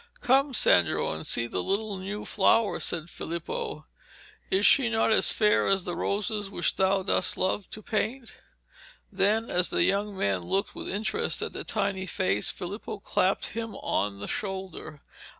'Come, Sandro, and see the little new flower,' said Filippo. 'Is she not as fair as the roses which thou dost so love to paint?' Then, as the young man looked with interest at the tiny face, Filippo clapped him on the shoulder.